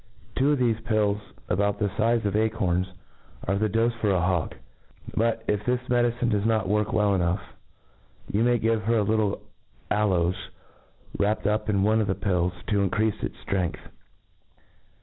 Two qf thefe ptUs, about the fize of acorns, are the dofe for a hawk^ But, if this medicine does not work well enough, you may give her a little aloes, wrapt up in one of the pills, t6 increafe its Arength.